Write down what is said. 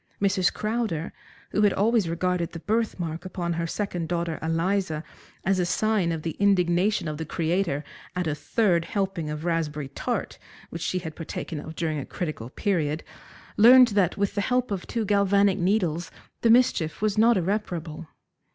Mrs. Crowder, who had always regarded the birthmark upon her second daughter Eliza as a sign of the indignation of the Creator at a third helping of raspberry tart which she had partaken of during a critical period, learned that, with the help of two galvanic needles, the mischief was not irreparable.